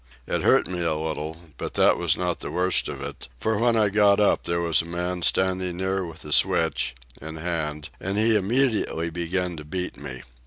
It hurt me a little, but that was not the worst of it, for when I got up there was a man standing near with a switch, in hand, and he immediately began to beat me.